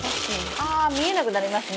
ああ見えなくなりますね。